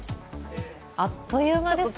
あっという間ですね。